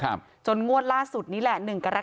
ความปลอดภัยของนายอภิรักษ์และครอบครัวด้วยซ้ำ